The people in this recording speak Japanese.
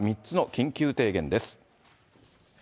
３つの緊急提言です。